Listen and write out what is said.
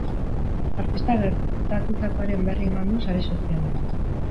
Artistak gertatutakoaren berri eman du sare sozialean.